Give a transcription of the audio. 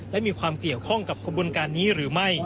และมีความเกี่ยวข้องกับขบวนการนี้หรือไม่